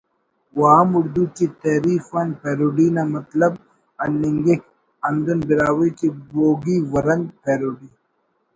واہم اردو ٹی ”تحریف“ آن پیروڈی نا مطلب ہلنگک ہندن براہوئی ٹی ”بوگی ورند“ پیروڈی